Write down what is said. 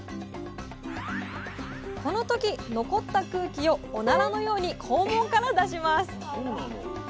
この時残った空気をおならのように肛門から出します。